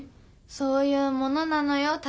そういうものなのよ